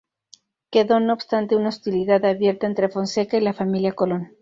Quedó no obstante una hostilidad abierta entre Fonseca y la familia Colón.